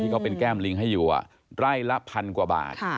เขาเป็นแก้มลิงให้อยู่ไร่ละพันกว่าบาท